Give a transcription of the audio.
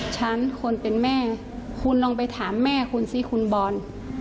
ฉันคนเป็นแม่คุณลองไปถามแม่คุณสิคุณบอล